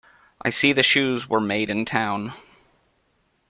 I see the shoes were made in town.